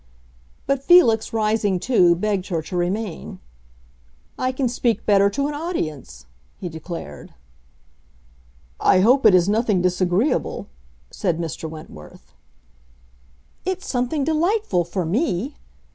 But Felix, rising too, begged her to remain. "I can speak better to an audience!" he declared. "I hope it is nothing disagreeable," said Mr. Wentworth. "It's something delightful, for me!"